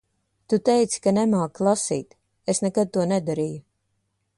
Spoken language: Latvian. Tu teici ka nemāki lasīt. Es nekad to nedarīju.